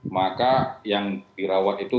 maka yang dirawat itu